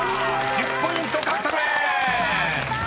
１０ポイント獲得です］